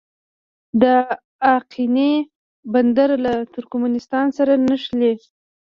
د اقینې بندر له ترکمنستان سره نښلي